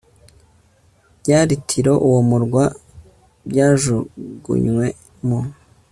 bya Tiro uwo murwa byajugunywe mu